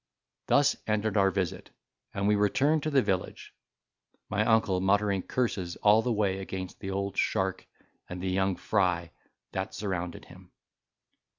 Thus ended our visit; and we returned to the village, my uncle muttering curses all the way against the old shark and the young fry that surrounded him.